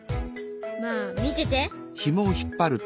まあ見てて。